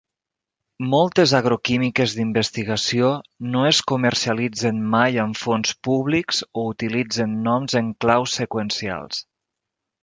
Moltes agroquímiques d'investigació no es comercialitzen mai amb fons públics o utilitzen noms en clau seqüencials.